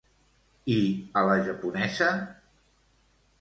I a la japonesa?